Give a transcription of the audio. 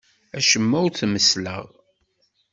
Acemma ur t-messleɣ.